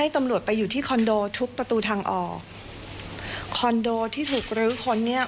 ทางออกคอนโดที่ถูกรื้อคนเนี่ย